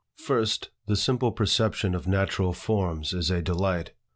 First, the simple perception of natural forms is a delight.